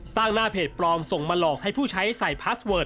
หน้าเพจปลอมส่งมาหลอกให้ผู้ใช้ใส่พาสเวิร์ด